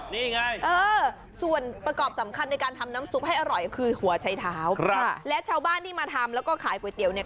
นี่ไงเออส่วนประกอบสำคัญในการทำน้ำซุปให้อร่อยก็คือหัวใช้เท้าและชาวบ้านที่มาทำแล้วก็ขายก๋วยเตี๋ยวเนี่ย